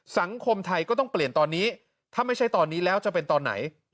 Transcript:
สังคมไทยก็ต้องเปลี่ยนตอนนี้ถ้าไม่ใช่ตอนนี้แล้วจะเป็นตอนไหน